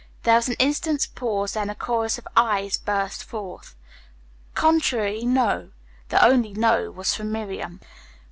There was an instant's pause, then a chorus of "ayes" burst forth. "Contrary, 'no.'" The only "no" was from Miriam.